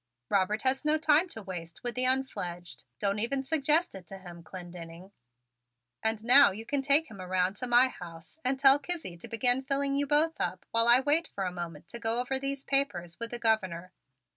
Robert has no time to waste with the unfledged. Don't even suggest it to him, Clendenning. And now you can take him around to my house and tell Kizzie to begin filling you both up while I wait for a moment to go over these papers with the Governor.